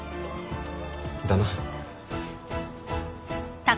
だな。